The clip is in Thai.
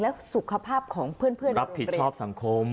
และสุขภาพของเพื่อนในโรงเรียนรับผิดชอบสังคม